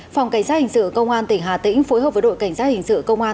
phòng cảnh sát hình sự công an tỉnh hà tĩnh phối hợp với đội cảnh sát hình sự công an